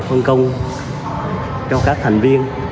phân công cho các thành viên